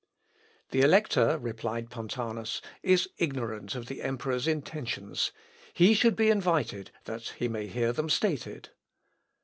"The Elector," replied Pontanus, "is ignorant of the emperor's intentions: He should be invited that he may hear them stated."